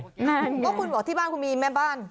เพราะคุณบอกที่บ้านคุณมีแม่บ้าน